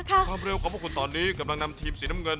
วิคารุกมันหนึ่งอยากว่าคุณตอนนี้กำลังนำทีมสีแดง